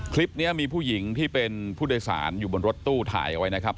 คลิปนี้มีผู้หญิงที่เป็นผู้โดยสารอยู่บนรถตู้ถ่ายเอาไว้นะครับ